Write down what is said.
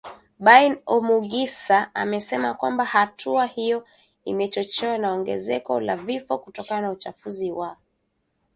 Bain Omugisa amesema kwamba hatua hiyo imechochewa na ongezeko la vifo kutokana na uchafuzi wa hewa ulimwenguni.